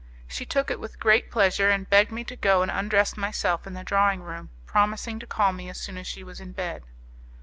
She took it with great pleasure, and begged me to go and undress myself in the drawing room, promising to call me as soon as she was in bed.